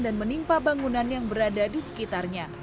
menimpa bangunan yang berada di sekitarnya